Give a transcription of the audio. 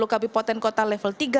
dua puluh kabupaten kota level tiga